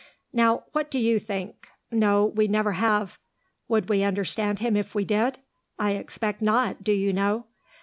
"Now what do you think? No, we never have. Would we understand him if we did? I expect not, do you know.